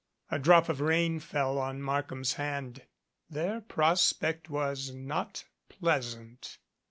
A drop of rain fell on Markham's hand. Their prospect was not pleasant.